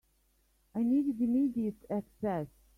I needed immediate access.